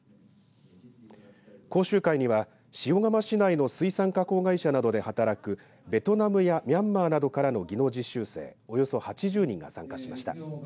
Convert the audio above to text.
講習会には塩釜市内の水産加工会社などで働くベトナムやミャンマーなどからの技能実習生およそ８０人が参加しました。